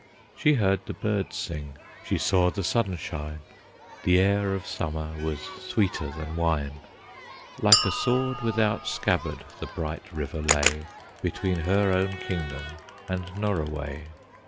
She heard the birds sing, she saw the sun shine, The air of summer was sweeter than wine. Like a sword without scabbard the bright river lay Between her own kingdom and Norroway.